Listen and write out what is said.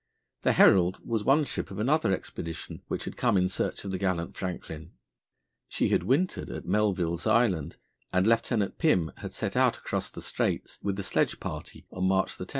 The Herald was one ship of another expedition which had come in search of the gallant Franklin. She had wintered at Melville's Island, and Lieutenant Pim had set out across the straits with a sledge party on March 10.